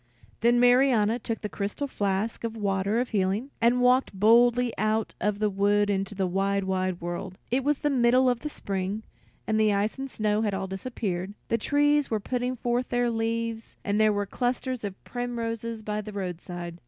Then Marianna took the crystal flask of the water of healing, and walked boldly out of the wood into the wide, wide world. It was the middle of the spring, the ice and snow had all disappeared; the trees were putting forth their leaves, and there were clusters of primroses by the roadside.